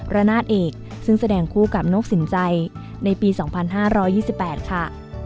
ระนาดเอกซึ่งแสดงคู่กับนกสินใจในปี๒๕๒๘ค่ะ